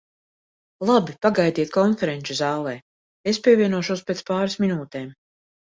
Labi, pagaidiet konferenču zālē, es pievienošos pēc pāris minūtēm.